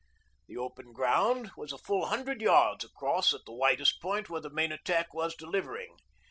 The open ground was a full hundred yards across at the widest point where the main attack was delivering.